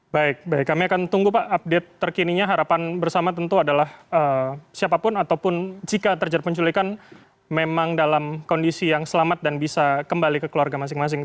baik baik kami akan tunggu pak update terkininya harapan bersama tentu adalah siapapun ataupun jika terjadi penculikan memang dalam kondisi yang selamat dan bisa kembali ke keluarga masing masing